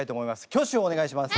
挙手をお願いします。